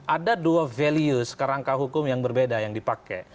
ada dua values kerangka hukum yang berbeda yang dipakai